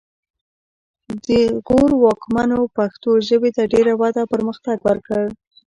د غور واکمنو پښتو ژبې ته ډېره وده او پرمختګ ورکړ